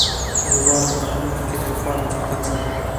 زه غواړم په راتلونکي کې د يو فارم څښتن شم.